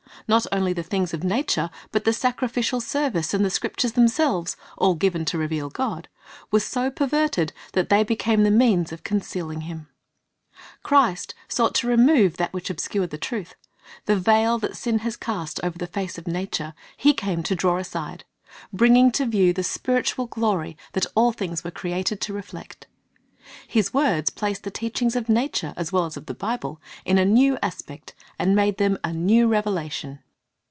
Not only the things of nature, but the sacrificial service and the Scriptures themselves, — all given to reveal God, — were so perverted that they became the means of concealing Him. Christ sought to remove that which obscured the truth. The veil that sin has cast over the face of nature, He came ' Rom. I : 25, 21 "He desires us to read it in every lity.^^ Teaching in Parables 19 to draw aside, bringing to view the spiritual glory that all things were created to reflect. His words placed the teachings of nature as well as of the Bible in a new aspect, and made them a new revelation.